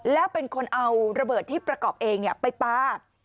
แล้วเป็นคนเอาระเบิดที่ประกอบเองไปปลา